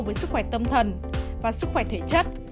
với sức khỏe tâm thần và sức khỏe thể chất